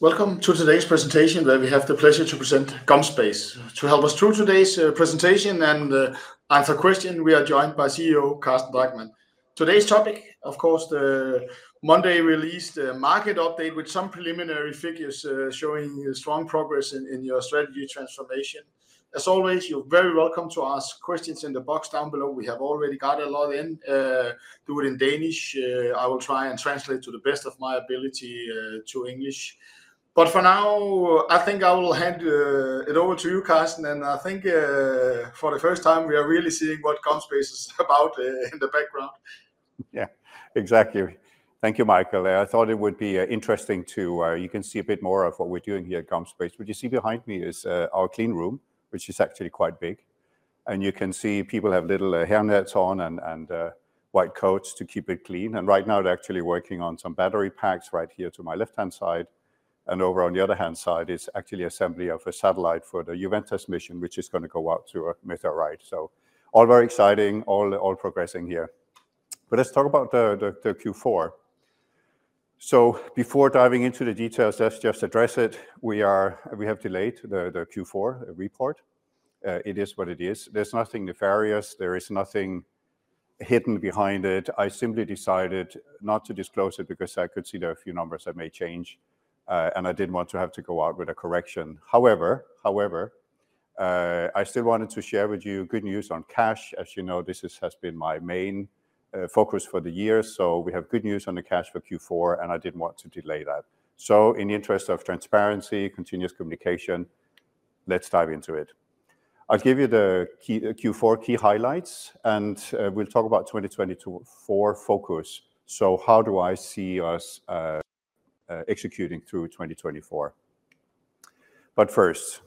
Welcome to today's presentation where we have the pleasure to present GomSpace. To help us through today's presentation and answer questions, we are joined by CEO Carsten Drachmann. Today's topic, of course, the Monday released market update with some preliminary figures showing strong progress in your strategy transformation. As always, you're very welcome to ask questions in the box down below. We have already got a lot in. Do it in Danish. I will try and translate to the best of my ability to English. But for now, I think I will hand it over to you, Carsten, and I think for the first time we are really seeing what GomSpace is about in the background. Yeah, exactly. Thank you, Michael. I thought it would be interesting to you can see a bit more of what we're doing here at GomSpace. What you see behind me is our clean room, which is actually quite big. You can see people have little hairnets on and white coats to keep it clean. Right now they're actually working on some battery packs right here to my left-hand side. Over on the other hand side is actually assembly of a satellite for the Juventas mission, which is going to go out to a meteorite. So all very exciting, all progressing here. Let's talk about the Q4. Before diving into the details, let's just address it. We have delayed the Q4 report. It is what it is. There's nothing nefarious. There is nothing hidden behind it. I simply decided not to disclose it because I could see there are a few numbers that may change, and I didn't want to have to go out with a correction. However, I still wanted to share with you good news on cash. As you know, this has been my main focus for the years. So we have good news on the cash for Q4, and I didn't want to delay that. So in the interest of transparency, continuous communication, let's dive into it. I'll give you the Q4 key highlights, and we'll talk about 2024 focus. So how do I see us executing through 2024? But first,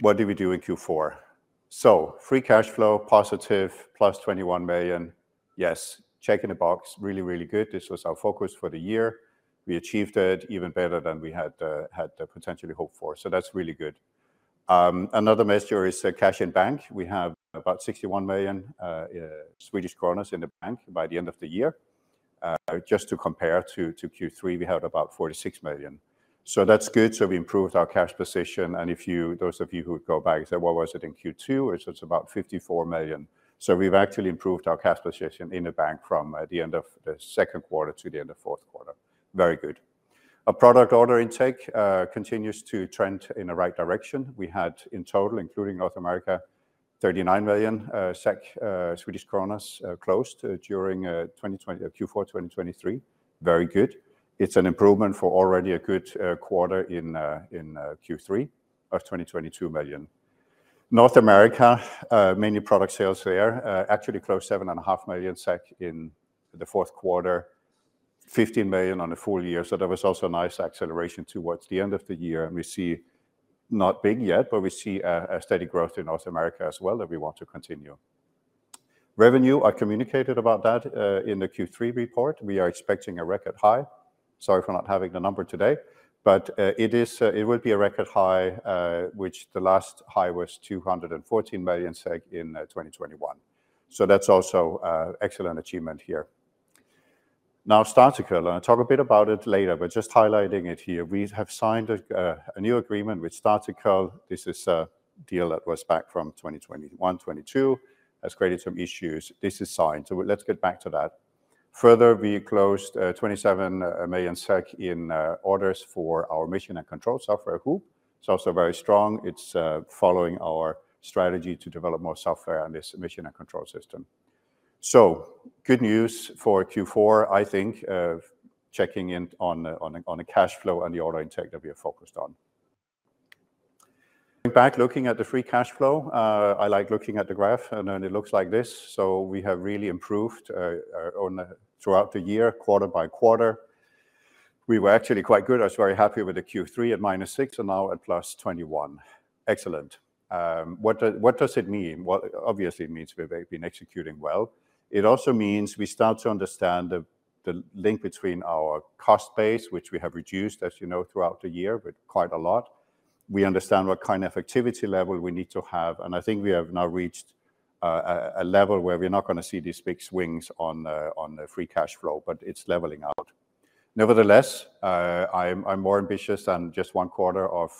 what did we do in Q4? So free cash flow positive +21 million. Yes, check in the box. Really, really good. This was our focus for the year. We achieved it even better than we had potentially hoped for. So that's really good. Another measure is cash in bank. We have about 61 million in the bank by the end of the year. Just to compare to Q3, we had about 46 million. So that's good. So we improved our cash position. And those of you who would go back and say, "What was it in Q2?" It's about 54 million. So we've actually improved our cash position in the bank from the end of the second quarter to the end of the fourth quarter. Very good. Our product order intake continues to trend in the right direction. We had in total, including North America, 39 million SEK closed during Q4 2023. Very good. It's an improvement for already a good quarter in Q3 of 22 million. North America, mainly product sales there, actually closed 7.5 million SEK in the fourth quarter, 15 million on a full year. So there was also a nice acceleration towards the end of the year. We see not big yet, but we see a steady growth in North America as well that we want to continue. Revenue, I communicated about that in the Q3 report. We are expecting a record high. Sorry for not having the number today. But it would be a record high, which the last high was 214 million SEK in 2021. So that's also an excellent achievement here. Now, Startical. I'll talk a bit about it later, but just highlighting it here. We have signed a new agreement with Startical. This is a deal that was back from 2021, 2022. Has created some issues. This is signed. So let's get back to that. Further, we closed 27 million SEK in orders for our mission and control software, HOOP. It's also very strong. It's following our strategy to develop more software on this mission and control system. So good news for Q4, I think, checking in on the cash flow and the order intake that we are focused on. Going back, looking at the free cash flow, I like looking at the graph, and it looks like this. So we have really improved throughout the year, quarter by quarter. We were actually quite good. I was very happy with the Q3 at -6 and now at +21. Excellent. What does it mean? Obviously, it means we've been executing well. It also means we start to understand the link between our cost base, which we have reduced, as you know, throughout the year with quite a lot. We understand what kind of effectiveness level we need to have. And I think we have now reached a level where we're not going to see these big swings on free cash flow, but it's leveling out. Nevertheless, I'm more ambitious than just one quarter of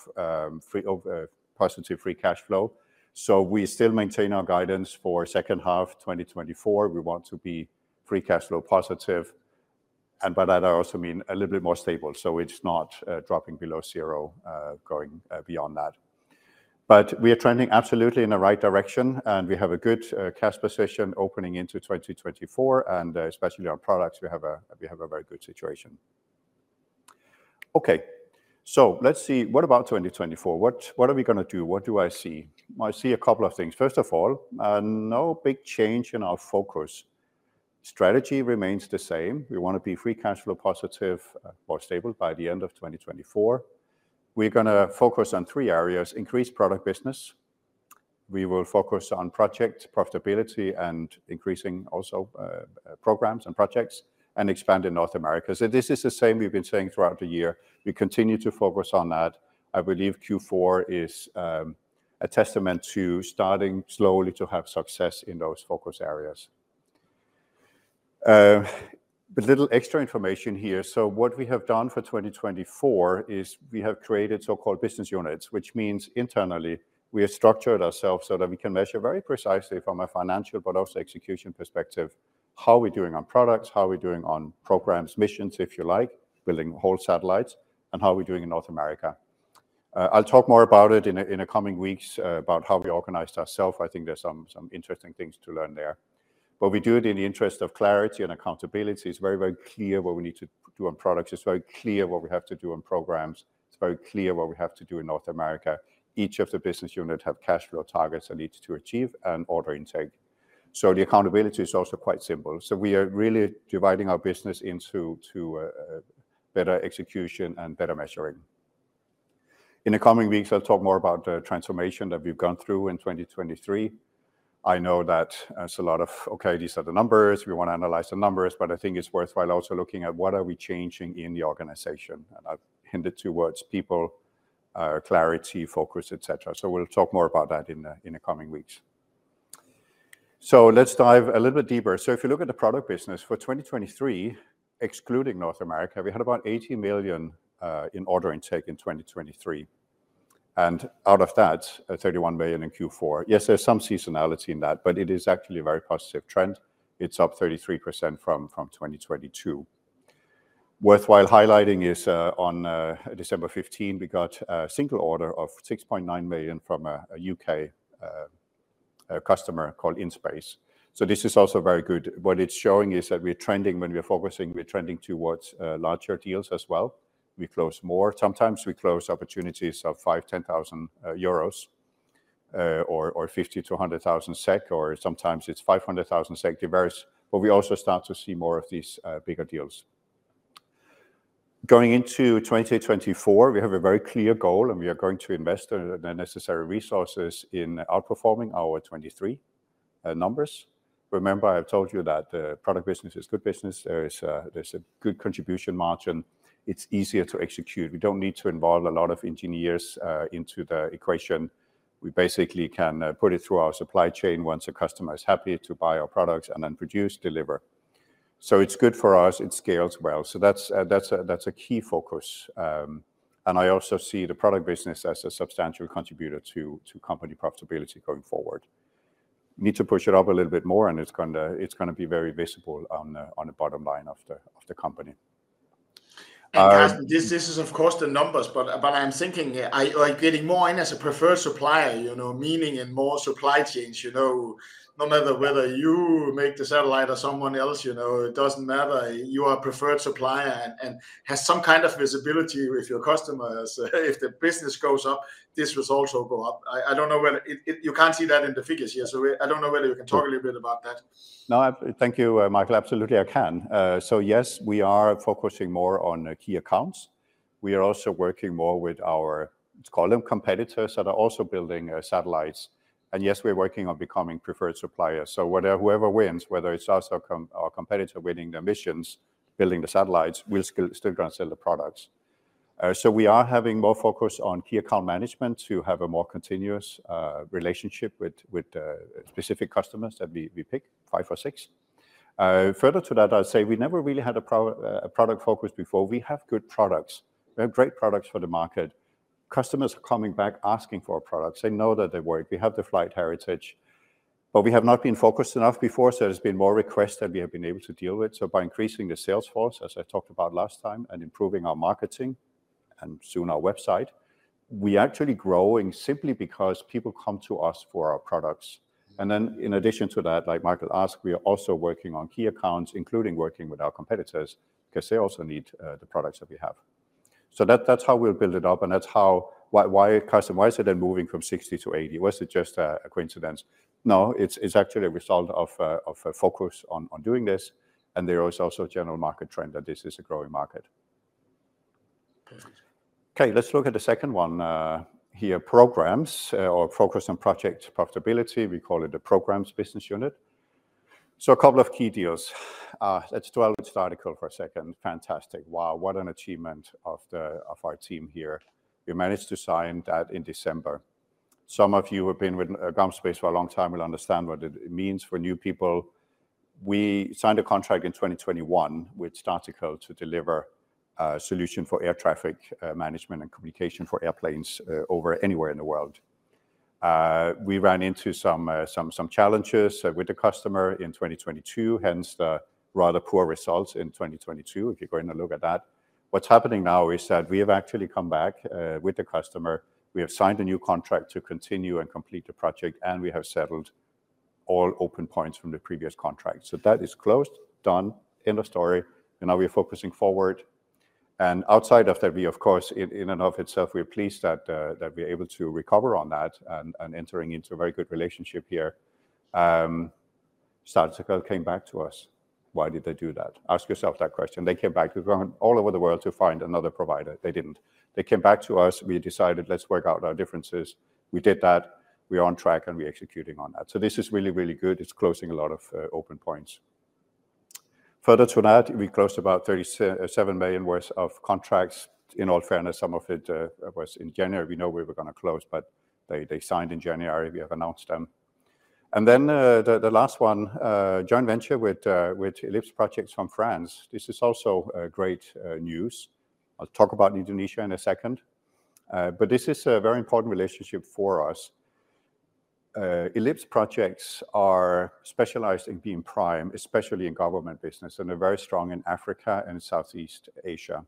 positive free cash flow. So we still maintain our guidance for second half 2024. We want to be free cash flow positive. And by that, I also mean a little bit more stable. So it's not dropping below zero, going beyond that. But we are trending absolutely in the right direction, and we have a good cash position opening into 2024. And especially on products, we have a very good situation. Okay. So let's see. What about 2024? What are we going to do? What do I see? I see a couple of things. First of all, no big change in our focus. Strategy remains the same. We want to be free cash flow positive or stable by the end of 2024. We're going to focus on three areas: increase product business, we will focus on project profitability and increasing also programs and projects, and expand in North America. So this is the same we've been saying throughout the year. We continue to focus on that. I believe Q4 is a testament to starting slowly to have success in those focus areas. But a little extra information here. So what we have done for 2024 is we have created so-called business units, which means internally we have structured ourselves so that we can measure very precisely from a financial but also execution perspective how we're doing on products, how we're doing on programs, missions, if you like, building whole satellites, and how we're doing in North America. I'll talk more about it in the coming weeks, about how we organized ourselves. I think there's some interesting things to learn there. But we do it in the interest of clarity and accountability. It's very, very clear what we need to do on products. It's very clear what we have to do on programs. It's very clear what we have to do in North America. Each of the business units have cash flow targets they need to achieve and order intake. So the accountability is also quite simple. So we are really dividing our business into better execution and better measuring. In the coming weeks, I'll talk more about the transformation that we've gone through in 2023. I know that it's a lot of, "Okay, these are the numbers. We want to analyze the numbers." But I think it's worthwhile also looking at what are we changing in the organization. I've hinted towards people, clarity, focus, etc. We'll talk more about that in the coming weeks. Let's dive a little bit deeper. If you look at the product business for 2023, excluding North America, we had about 80 million in order intake in 2023. Out of that, 31 million in Q4. Yes, there's some seasonality in that, but it is actually a very positive trend. It's up 33% from 2022. Worthwhile highlighting is on December 15, we got a single order of 6.9 million from a U.K. customer called In-Space. This is also very good. What it's showing is that we're trending when we're focusing, we're trending towards larger deals as well. We close more. Sometimes we close opportunities of 5, 10,000 euros or 50,000-100,000 SEK, or sometimes it's 500,000 SEK, diverse. But we also start to see more of these bigger deals. Going into 2024, we have a very clear goal, and we are going to invest the necessary resources in outperforming our 2023 numbers. Remember, I've told you that product business is good business. There's a good contribution margin. It's easier to execute. We don't need to involve a lot of engineers into the equation. We basically can put it through our supply chain once a customer is happy to buy our products and then produce, deliver. So it's good for us. It scales well. So that's a key focus. And I also see the product business as a substantial contributor to company profitability going forward. We need to push it up a little bit more, and it's going to be very visible on the bottom line of the company. And Carsten, this is, of course, the numbers, but I'm thinking, getting more in as a preferred supplier, meaning in more supply chains, no matter whether you make the satellite or someone else, it doesn't matter. You are a preferred supplier and have some kind of visibility with your customers. If the business goes up, this will also go up. I don't know whether you can't see that in the figures here, so I don't know whether you can talk a little bit about that. No, thank you, Michael. Absolutely, I can. So yes, we are focusing more on key accounts. We are also working more with our, let's call them, competitors that are also building satellites. And yes, we're working on becoming preferred suppliers. So whoever wins, whether it's us or our competitor winning the missions, building the satellites, we'll still go and sell the products. So we are having more focus on key account management to have a more continuous relationship with specific customers that we pick, five or six. Further to that, I'd say we never really had a product focus before. We have good products. We have great products for the market. Customers are coming back asking for our products. They know that they work. We have the flight heritage. But we have not been focused enough before, so there's been more requests that we have been able to deal with. So by increasing the sales force, as I talked about last time, and improving our marketing and soon our website, we're actually growing simply because people come to us for our products. And then in addition to that, like Michael asked, we are also working on key accounts, including working with our competitors because they also need the products that we have. So that's how we'll build it up. And that's how, Carsten, why is it then moving from 60 to 80? Was it just a coincidence? No, it's actually a result of focus on doing this. And there is also a general market trend that this is a growing market. Okay, let's look at the second one here, programs, or focus on project profitability. We call it the programs business unit. So a couple of key deals. Let's deal with Startical for a second. Fantastic. Wow, what an achievement of our team here. We managed to sign that in December. Some of you who have been with GomSpace for a long time will understand what it means for new people. We signed a contract in 2021 with Startical to deliver a solution for air traffic management and communication for airplanes anywhere in the world. We ran into some challenges with the customer in 2022, hence the rather poor results in 2022, if you go in and look at that. What's happening now is that we have actually come back with the customer. We have signed a new contract to continue and complete the project, and we have settled all open points from the previous contract. So that is closed, done, end of story. Now we are focusing forward. Outside of that, we, of course, in and of itself, we're pleased that we're able to recover on that and entering into a very good relationship here. Startical came back to us. Why did they do that? Ask yourself that question. They came back. We've gone all over the world to find another provider. They didn't. They came back to us. We decided, let's work out our differences. We did that. We're on track, and we're executing on that. So this is really, really good. It's closing a lot of open points. Further to that, we closed about 37 million worth of contracts. In all fairness, some of it was in January. We know we were going to close, but they signed in January. We have announced them. And then the last one, joint venture with Ellipse Projects from France. This is also great news. I'll talk about Indonesia in a second. This is a very important relationship for us. Ellipse Projects are specialized in being prime, especially in government business, and they're very strong in Africa and Southeast Asia.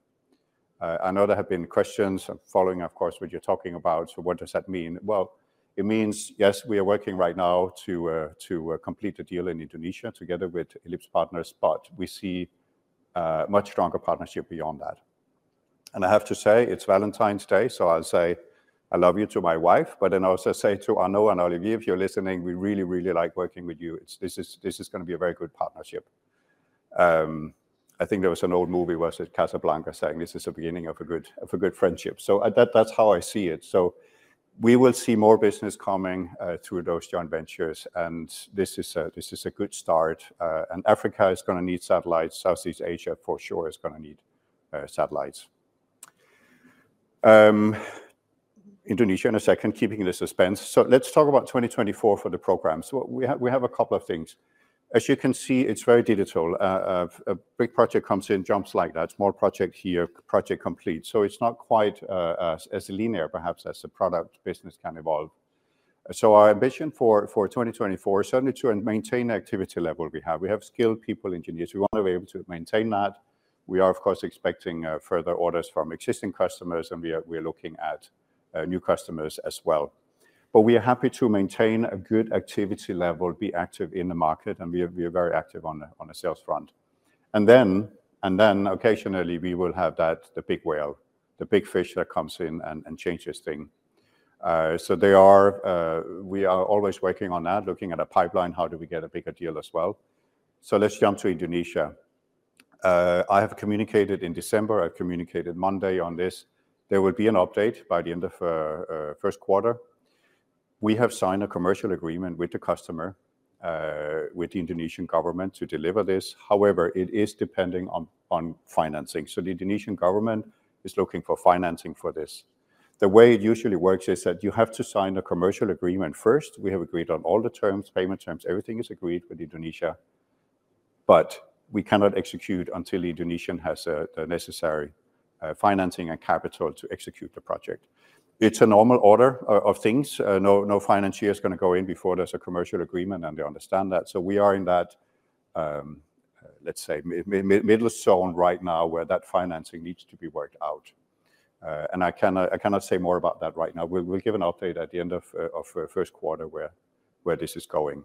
I know there have been questions. I'm following, of course, what you're talking about. What does that mean? Well, it means, yes, we are working right now to complete a deal in Indonesia together with Ellipse partners, but we see a much stronger partnership beyond that. I have to say, it's Valentine's Day, so I'll say, "I love you," to my wife. Then I also say to Arnaud and Olivier, if you're listening, we really, really like working with you. This is going to be a very good partnership. I think there was an old movie where I said Casablanca saying, "This is the beginning of a good friendship." So that's how I see it. So we will see more business coming through those joint ventures. And this is a good start. And Africa is going to need satellites. Southeast Asia for sure is going to need satellites. Indonesia in a second, keeping the suspense. So let's talk about 2024 for the programs. We have a couple of things. As you can see, it's very digital. A big project comes in, jumps like that. Small project here, project complete. So it's not quite as linear, perhaps, as the product business can evolve. So our ambition for 2024, certainly to maintain the activity level we have. We have skilled people, engineers. We want to be able to maintain that. We are, of course, expecting further orders from existing customers, and we are looking at new customers as well. But we are happy to maintain a good activity level, be active in the market, and we are very active on the sales front. And then occasionally, we will have the big whale, the big fish that comes in and changes things. So we are always working on that, looking at a pipeline, how do we get a bigger deal as well. So let's jump to Indonesia. I have communicated in December. I've communicated Monday on this. There will be an update by the end of the first quarter. We have signed a commercial agreement with the customer, with the Indonesian government, to deliver this. However, it is depending on financing. So the Indonesian government is looking for financing for this. The way it usually works is that you have to sign a commercial agreement first. We have agreed on all the terms, payment terms. Everything is agreed with Indonesia. But we cannot execute until Indonesia has the necessary financing and capital to execute the project. It's a normal order of things. No financier is going to go in before there's a commercial agreement, and they understand that. So we are in that, let's say, middle zone right now where that financing needs to be worked out. And I cannot say more about that right now. We'll give an update at the end of first quarter where this is going.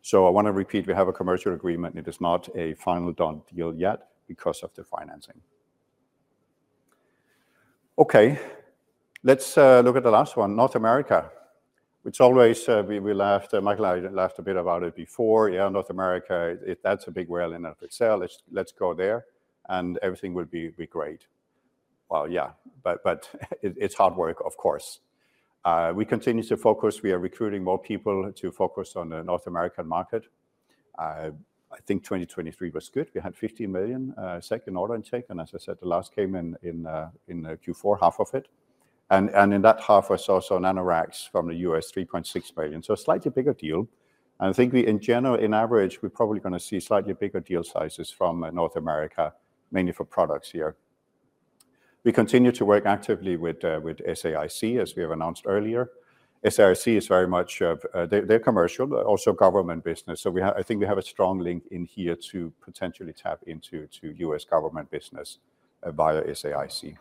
So I want to repeat, we have a commercial agreement. It is not a final done deal yet because of the financing. Okay, let's look at the last one, North America. We laughed. Michael laughed a bit about it before. Yeah, North America, that's a big whale in and of itself. Let's go there, and everything will be great. Well, yeah, but it's hard work, of course. We continue to focus. We are recruiting more people to focus on the North American market. I think 2023 was good. We had 15 million second order intake. And as I said, the last came in Q4, half of it. And in that half, I saw Nanoracks from the U.S., 3.6 million. So a slightly bigger deal. And I think in general, in average, we're probably going to see slightly bigger deal sizes from North America, mainly for products here. We continue to work actively with SAIC, as we have announced earlier. SAIC is very much they're commercial, also government business. So I think we have a strong link in here to potentially tap into U.S. government business via SAIC.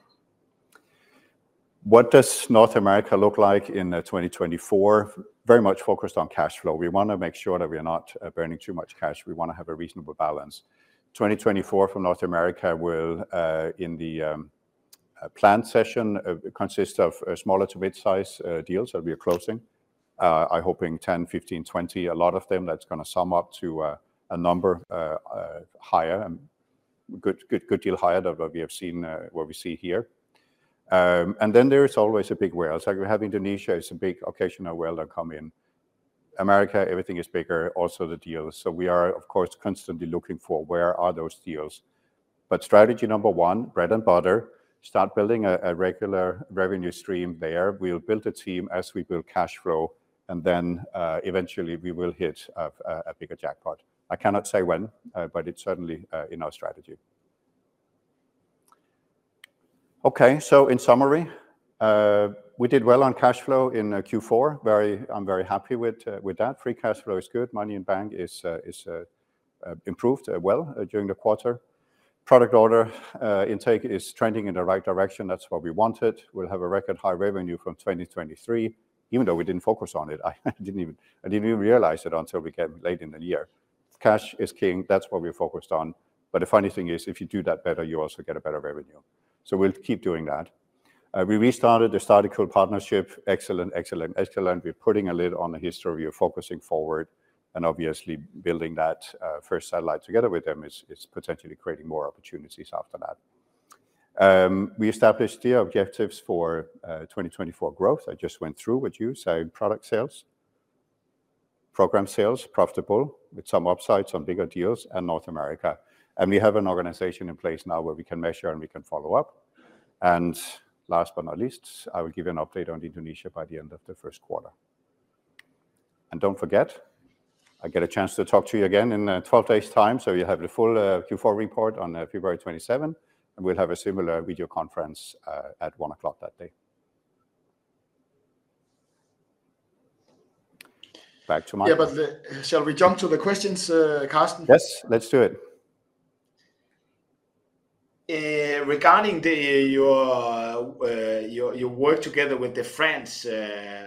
What does North America look like in 2024? Very much focused on cash flow. We want to make sure that we're not burning too much cash. We want to have a reasonable balance. 2024 for North America will, in the planned session, consist of smaller to mid-size deals that we are closing. I'm hoping 10, 15, 20, a lot of them. That's going to sum up to a number higher, a good deal higher than what we have seen what we see here. And then there is always a big whale. So we have Indonesia. It's a big occasional whale that come in. America, everything is bigger, also the deals. So we are, of course, constantly looking for where are those deals. But strategy number one, bread and butter, start building a regular revenue stream there. We'll build a team as we build cash flow, and then eventually, we will hit a bigger jackpot. I cannot say when, but it's certainly in our strategy. Okay, so in summary, we did well on cash flow in Q4. I'm very happy with that. Free cash flow is good. Money in bank is improved well during the quarter. Product order intake is trending in the right direction. That's what we wanted. We'll have a record high revenue from 2023, even though we didn't focus on it. I didn't even realize it until we got late in the year. Cash is king. That's what we're focused on. But the funny thing is, if you do that better, you also get a better revenue. So we'll keep doing that. We restarted the Startical partnership. Excellent, excellent, excellent. We're putting a lid on the history of focusing forward and obviously building that first satellite together with them. It's potentially creating more opportunities after that. We established three objectives for 2024 growth. I just went through with you, saying product sales, program sales, profitable with some upside, some bigger deals, and North America. We have an organization in place now where we can measure and we can follow up. Last but not least, I will give you an update on Indonesia by the end of the first quarter. Don't forget, I get a chance to talk to you again in 12 days' time. You have the full Q4 report on February 27, and we'll have a similar video conference at 1:00 P.M. that day. Back to Michael. Yeah, but shall we jump to the questions, Carsten? Yes, let's do it. Regarding your work together with the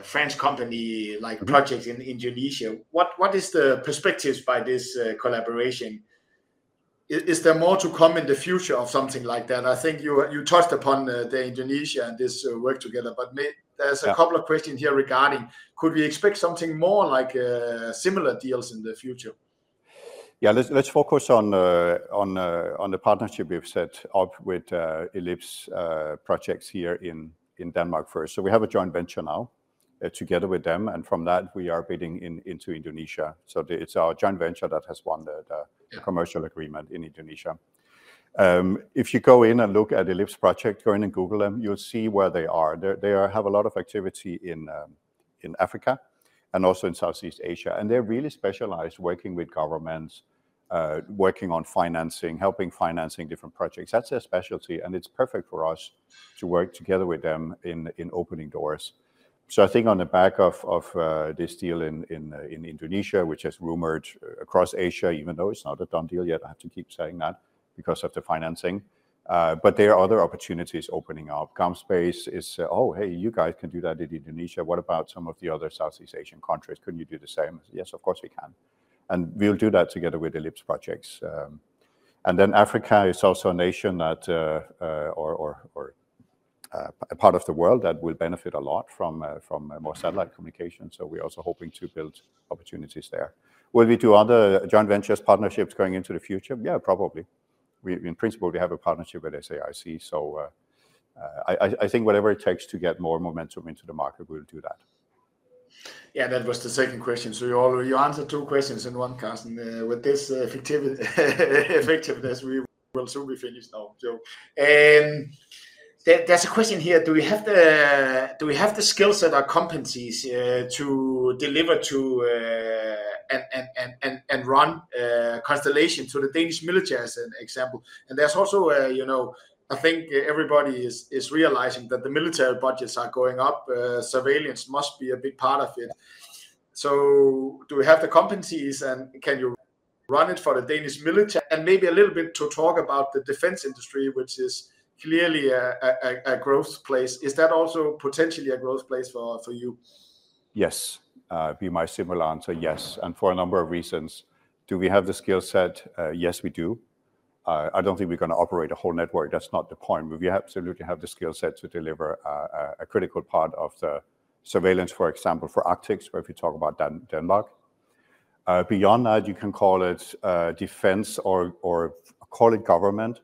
French company Ellipse Projects in Indonesia, what is the perspective by this collaboration? Is there more to come in the future of something like that? I think you touched upon Indonesia and this work together. But there's a couple of questions here regarding, could we expect something more like similar deals in the future? Yeah, let's focus on the partnership we've set up with Ellipse Projects here in Denmark first. So we have a joint venture now together with them. And from that, we are bidding into Indonesia. So it's our joint venture that has won the commercial agreement in Indonesia. If you go in and look at Ellipse Projects, go in and Google them, you'll see where they are. They have a lot of activity in Africa and also in Southeast Asia. And they're really specialized working with governments, working on financing, helping finance different projects. That's their specialty. And it's perfect for us to work together with them in opening doors. So I think on the back of this deal in Indonesia, which is rumored across Asia, even though it's not a done deal yet, I have to keep saying that because of the financing. But there are other opportunities opening up. GomSpace is, oh, hey, you guys can do that in Indonesia. What about some of the other Southeast Asian countries? Couldn't you do the same? Yes, of course we can. We'll do that together with Ellipse Projects. Then Africa is also a nation or a part of the world that will benefit a lot from more satellite communication. We're also hoping to build opportunities there. Will we do other joint ventures partnerships going into the future? Yeah, probably. In principle, we have a partnership with SAIC. I think whatever it takes to get more momentum into the market, we'll do that. Yeah, that was the second question. So you answered two questions in one, Carsten. With this effectiveness, we will soon be finished now, Joe. There's a question here. Do we have the skills that are competent to deliver and run constellation to the Danish military, as an example? And there's also, I think everybody is realizing that the military budgets are going up. Surveillance must be a big part of it. So do we have the competencies, and can you run it for the Danish military? And maybe a little bit to talk about the defense industry, which is clearly a growth place. Is that also potentially a growth place for you? Yes. It'd be my similar answer. Yes. And for a number of reasons. Do we have the skill set? Yes, we do. I don't think we're going to operate a whole network. That's not the point. But we absolutely have the skill set to deliver a critical part of the surveillance, for example, for Arctic, where if you talk about Denmark. Beyond that, you can call it defense or call it government.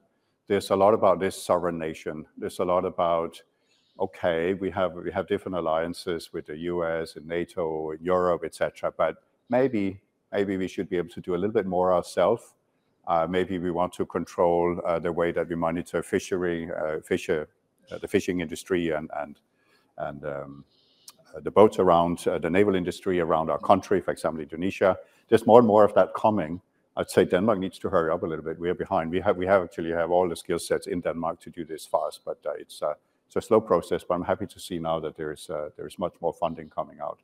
There's a lot about this sovereign nation. There's a lot about, okay, we have different alliances with the U.S. and NATO, Europe, etc. But maybe we should be able to do a little bit more ourselves. Maybe we want to control the way that we monitor fishery, the fishing industry, and the boats around, the naval industry around our country, for example, Indonesia. There's more and more of that coming. I'd say Denmark needs to hurry up a little bit. We are behind. We actually have all the skill sets in Denmark to do this fast. But it's a slow process. But I'm happy to see now that there is much more funding coming out.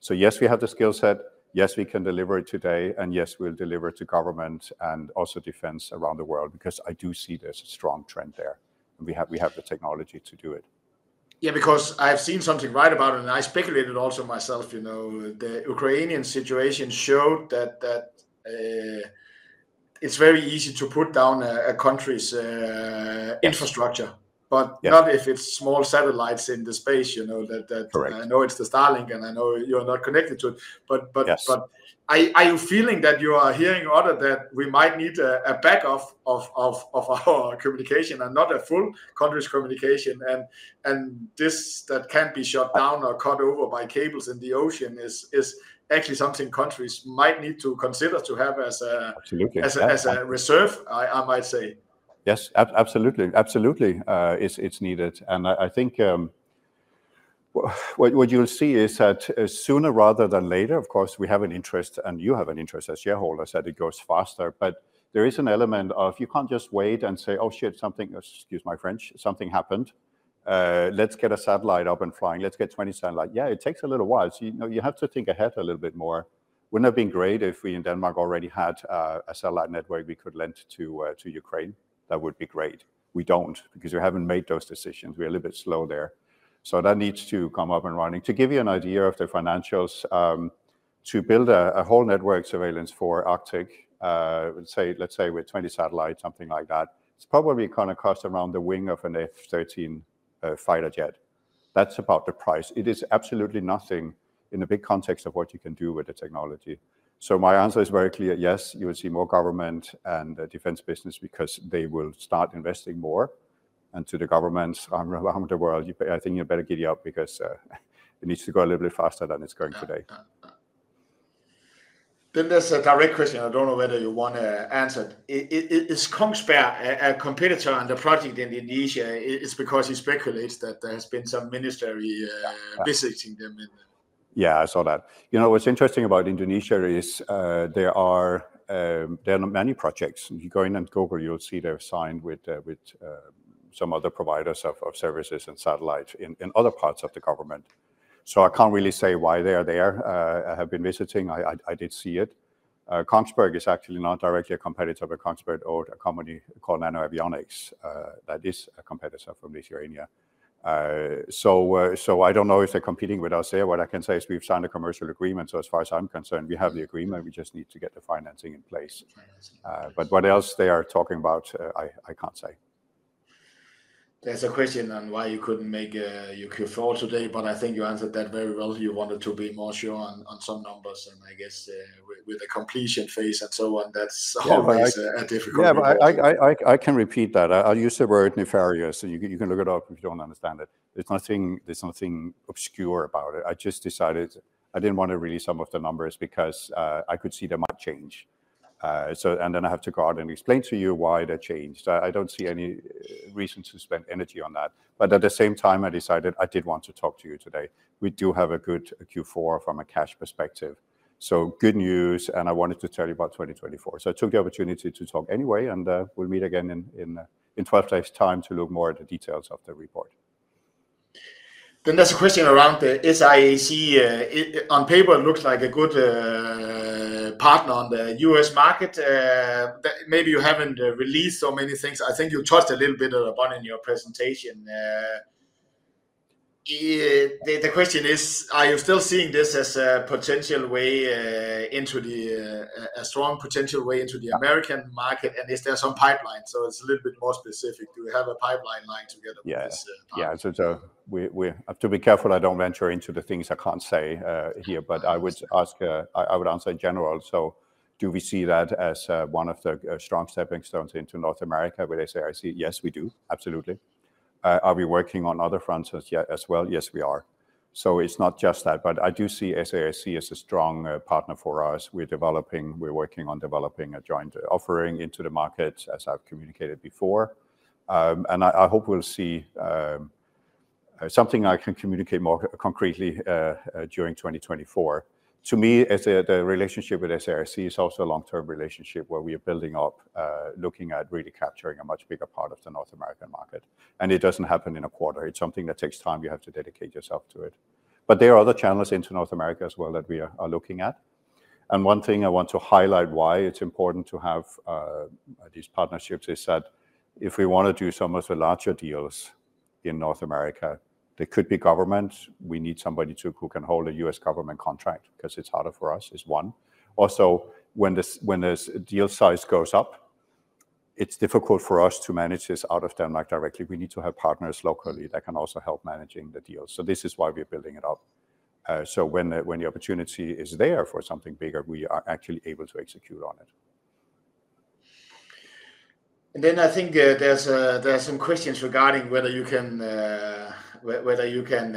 So yes, we have the skill set. Yes, we can deliver it today. And yes, we'll deliver it to government and also defense around the world because I do see there's a strong trend there. And we have the technology to do it. Yeah, because I've read something about it. I speculated also myself. The Ukrainian situation showed that it's very easy to put down a country's infrastructure, but not if it's small satellites in space. I know it's the Starlink, and I know you're not connected to it. But are you feeling that you are hearing others that we might need a backup of our communication and not a full country's communication? And this that can be shut down or cut over by cables in the ocean is actually something countries might need to consider to have as a reserve, I might say. Yes, absolutely. Absolutely, it's needed. And I think what you'll see is that sooner rather than later, of course, we have an interest, and you have an interest as shareholders that it goes faster. But there is an element of you can't just wait and say, "Oh, shit, something" excuse my French, "something happened. Let's get a satellite up and flying. Let's get 20 satellites." Yeah, it takes a little while. You have to think ahead a little bit more. Wouldn't it have been great if we in Denmark already had a satellite network we could lend to Ukraine? That would be great. We don't because we haven't made those decisions. We're a little bit slow there. So that needs to come up and running. To give you an idea of the financials, to build a whole network surveillance for Arctic, let's say with 20 satellites, something like that, it's probably going to cost around the wing of an F-16 fighter jet. That's about the price. It is absolutely nothing in the big context of what you can do with the technology. So my answer is very clear. Yes, you will see more government and defense business because they will start investing more. And to the governments, I'm around the world, I think you better giddy up because it needs to go a little bit faster than it's going today. Then there's a direct question. I don't know whether you want to answer it. Is Kongsberg a competitor on the project in Indonesia? It's because he speculates that there has been some ministry visiting them in. Yeah, I saw that. What's interesting about Indonesia is there are many projects. If you go in and Google, you'll see they're signed with some other providers of services and satellites in other parts of the government. So I can't really say why they are there. I have been visiting. I did see it. Kongsberg is actually not directly a competitor, but Kongsberg owns a company called NanoAvionics that is a competitor from Lithuania. So I don't know if they're competing with us there. What I can say is we've signed a commercial agreement. So as far as I'm concerned, we have the agreement. We just need to get the financing in place. But what else they are talking about, I can't say. There's a question on why you couldn't make your Q4 today. But I think you answered that very well. You wanted to be more sure on some numbers and, I guess, with the completion phase and so on. That's always a difficult one. Yeah, but I can repeat that. I use the word nefarious. And you can look it up if you don't understand it. There's nothing obscure about it. I just decided I didn't want to release some of the numbers because I could see they might change. And then I have to go out and explain to you why they changed. I don't see any reason to spend energy on that. But at the same time, I decided I did want to talk to you today. We do have a good Q4 from a cash perspective. So good news. And I wanted to tell you about 2024. So I took the opportunity to talk anyway. And we'll meet again in 12 days' time to look more at the details of the report. Then there's a question around the SAIC. On paper, it looks like a good partner on the U.S. market. Maybe you haven't released so many things. I think you touched a little bit upon it in your presentation. The question is, are you still seeing this as a potential way into the a strong potential way into the American market? And is there some pipeline? So it's a little bit more specific. Do we have a pipeline lined together with this partner? Yeah, absolutely. To be careful, I don't venture into the things I can't say here. But I would answer in general. So do we see that as one of the strong stepping stones into North America with SAIC? Yes, we do, absolutely. Are we working on other fronts as well? Yes, we are. So it's not just that. But I do see SAIC as a strong partner for us. We're working on developing a joint offering into the market, as I've communicated before. And I hope we'll see something I can communicate more concretely during 2024. To me, the relationship with SAIC is also a long-term relationship where we are building up, looking at really capturing a much bigger part of the North American market. And it doesn't happen in a quarter. It's something that takes time. You have to dedicate yourself to it. But there are other channels into North America as well that we are looking at. And one thing I want to highlight why it's important to have these partnerships is that if we want to do some of the larger deals in North America, there could be governments. We need somebody who can hold a U.S. government contract because it's harder for us, is one. Also, when the deal size goes up, it's difficult for us to manage this out of Denmark directly. We need to have partners locally that can also help managing the deals. So this is why we are building it up. So when the opportunity is there for something bigger, we are actually able to execute on it. Then I think there's some questions regarding whether you can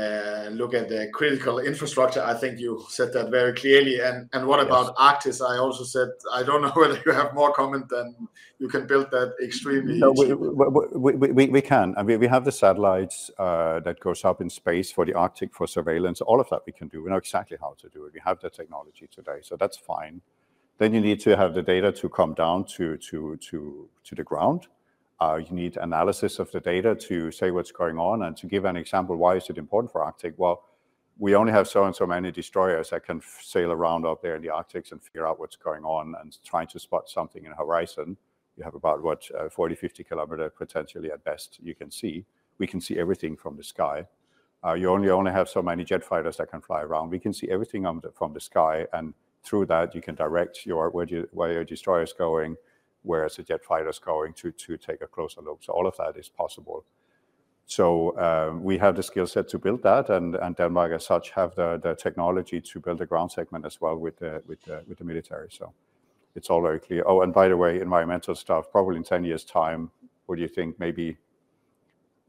look at the critical infrastructure. I think you said that very clearly. What about Arctic? I also said I don't know whether you have more comment than you can build that extremely. No, we can. I mean, we have the satellites that go up in space for the Arctic for surveillance. All of that we can do. We know exactly how to do it. We have the technology today. So that's fine. Then you need to have the data to come down to the ground. You need analysis of the data to say what's going on. And to give an example, why is it important for Arctic? Well, we only have so and so many destroyers that can sail around up there in the Arctic and figure out what's going on and try to spot something on the horizon. You have about what, 40-50 km potentially at best you can see. We can see everything from the sky. You only have so many jet fighters that can fly around. We can see everything from the sky. Through that, you can direct where your destroyer is going, whereas the jet fighter is going to take a closer look. All of that is possible. We have the skill set to build that. Denmark, as such, have the technology to build a ground segment as well with the military. It's all very clear. Oh, and by the way, environmental stuff, probably in 10 years' time, what do you think? Maybe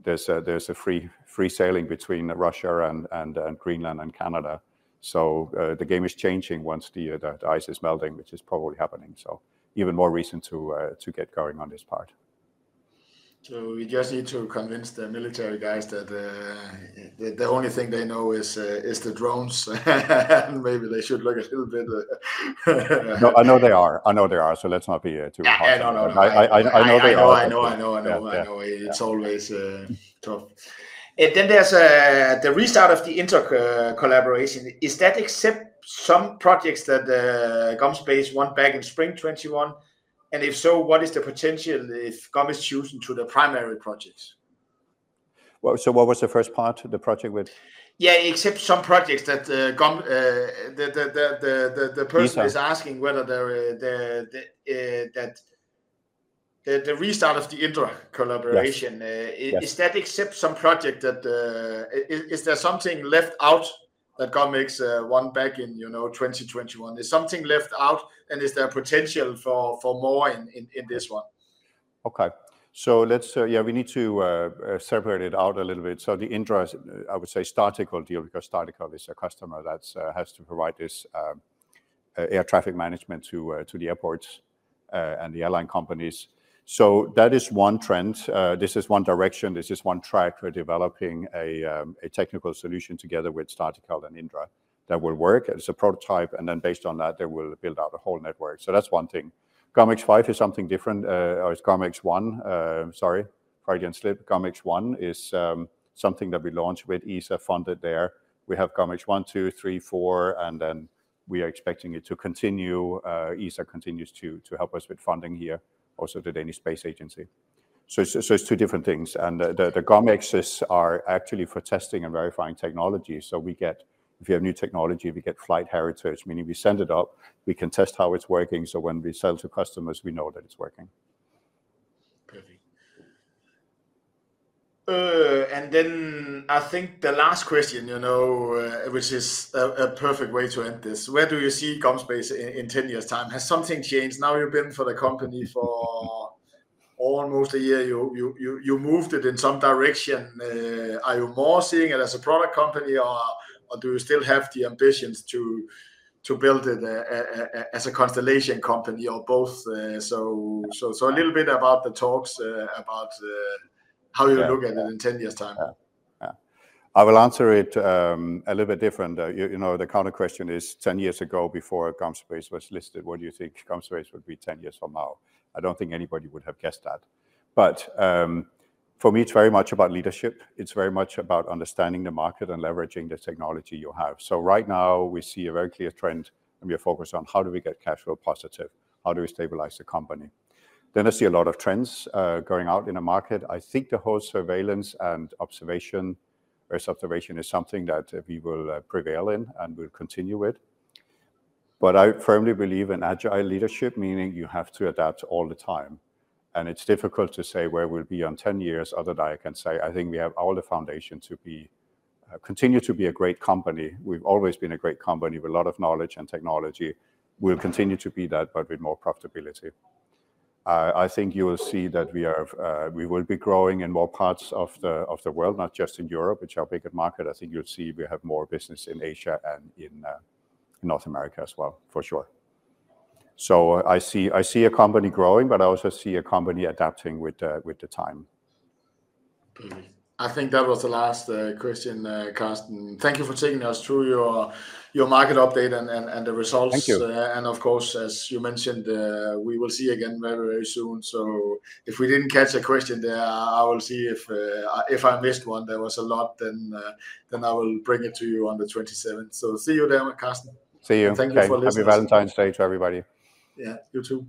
there's a free sailing between Russia and Greenland and Canada. The game is changing once the ice is melting, which is probably happening. Even more reason to get going on this part. We just need to convince the military guys that the only thing they know is the drones. Maybe they should look a little bit. No, I know they are. I know they are. So let's not be too hard. Yeah, I know. I know they are. I know. I know. I know. I know. It's always tough. Then there's the restart of the Indra collaboration. Is that except some projects that GomSpace won back in spring 2021? And if so, what is the potential if Gom is choosing to the primary projects? So what was the first part, the project with? Yeah, except some projects that GomSpace the person is asking whether the restart of the Indra collaboration, is that except some project that is there something left out that GomSpace won back in 2021? Is something left out? And is there potential for more in this one? Okay. So yeah, we need to separate it out a little bit. So the Indra, I would say, Startical deal because Startical is a customer that has to provide this air traffic management to the airports and the airline companies. So that is one trend. This is one direction. This is one track for developing a technical solution together with Startical and Indra that will work. It's a prototype. And then based on that, they will build out a whole network. So that's one thing. GOMX-5 is something different or it's GOMX-1. Sorry, probably didn't slip. GOMX-1 is something that we launched with ESA funded there. We have GOMX-1, 2, 3, 4. And then we are expecting it to continue. ESA continues to help us with funding here, also the Danish Space Agency. So it's two different things. And the GOMXs are actually for testing and verifying technology. So if we have new technology, we get Flight Heritage, meaning we send it up. We can test how it's working. So when we sell to customers, we know that it's working. Perfect. And then I think the last question, which is a perfect way to end this, where do you see GomSpace in 10 years' time? Has something changed? Now you've been for the company for almost a year. You moved it in some direction. Are you more seeing it as a product company? Or do you still have the ambitions to build it as a constellation company or both? So a little bit about the talks about how you look at it in 10 years' time. Yeah. Yeah. I will answer it a little bit different. The counter question is, 10 years ago, before GomSpace was listed, what do you think GomSpace would be 10 years from now? I don't think anybody would have guessed that. But for me, it's very much about leadership. It's very much about understanding the market and leveraging the technology you have. So right now, we see a very clear trend. We are focused on how do we get cash flow positive? How do we stabilize the company? I see a lot of trends going out in the market. I think the whole surveillance and observation is something that we will prevail in and will continue with. But I firmly believe in agile leadership, meaning you have to adapt all the time. It's difficult to say where we'll be in 10 years other than I can say, I think we have all the foundation to continue to be a great company. We've always been a great company with a lot of knowledge and technology. We'll continue to be that, but with more profitability. I think you will see that we will be growing in more parts of the world, not just in Europe, which is our biggest market. I think you'll see we have more business in Asia and in North America as well, for sure. So I see a company growing. But I also see a company adapting with the time. Perfect. I think that was the last question, Carsten. Thank you for taking us through your market update and the results. Thank you. Of course, as you mentioned, we will see again very, very soon. If we didn't catch a question there, I will see if I missed one. There was a lot. I will bring it to you on the 27th. See you there, Carsten. See you. Thank you for listening. Happy Valentine's Day to everybody. Yeah, you too.